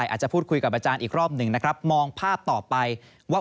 อาจจะพูดคุยกับอาจารย์อีกรอบหนึ่งนะครับมองภาพต่อไปว่า